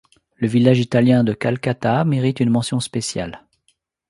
Le village italien de Calcata mérite une mention spéciale.